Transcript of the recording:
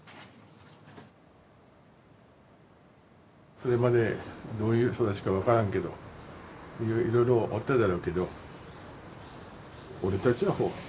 それまでどういう育ちかわからんけどいろいろあっただろうけど俺たちは。